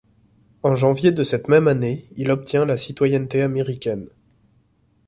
En janvier de cette même année, il obtient la citoyenneté américaine.